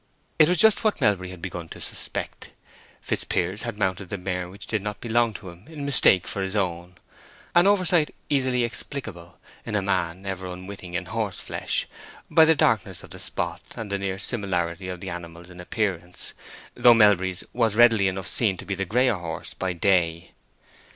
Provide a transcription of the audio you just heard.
It was just what Melbury had begun to suspect: Fitzpiers had mounted the mare which did not belong to him in mistake for his own—an oversight easily explicable, in a man ever unwitting in horse flesh, by the darkness of the spot and the near similarity of the animals in appearance, though Melbury's was readily enough seen to be the grayer horse by day.